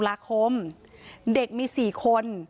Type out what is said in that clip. พนักงานในร้าน